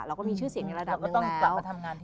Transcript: เราก็มีชื่อเสียงในระดับนึงแล้ว